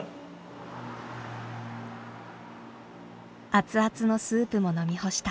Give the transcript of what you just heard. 熱々のスープも飲み干した。